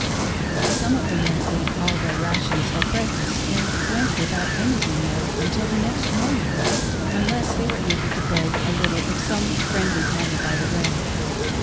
Some of the men, ate all their rations at 'breakfast,*and went without anything more until the next morning, unless *they were abtt to beg a little of some friendly farmer by the way.